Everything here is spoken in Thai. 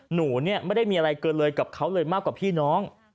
หนูเนี่ยไม่ได้มีอะไรเกินเลยกับเขาเลยมากกว่าพี่น้อง